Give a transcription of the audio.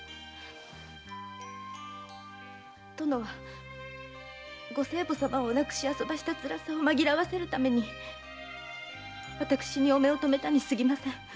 殿はご生母様をお亡くしあそばした辛さをまぎらわせるために私にお目をとめたにすぎません。